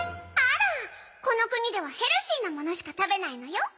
あらこの国ではヘルシーなものしか食べないのよ。